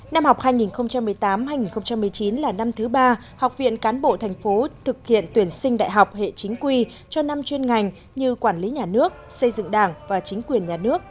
năm học hai nghìn một mươi tám hai nghìn một mươi chín là năm thứ ba học viện cán bộ thành phố thực hiện tuyển sinh đại học hệ chính quy cho năm chuyên ngành như quản lý nhà nước xây dựng đảng và chính quyền nhà nước